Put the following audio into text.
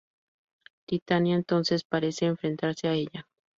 Titania entonces parece enfrentarse a ella.